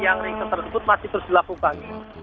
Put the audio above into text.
yang ring tersebut masih terus dilakukan